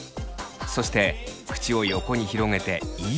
そして口を横に広げて「い」。